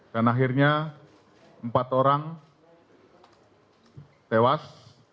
dan akhirnya empat orang tewas